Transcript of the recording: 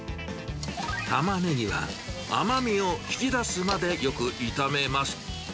タマネギは、甘みを引き出すまでよく炒めます。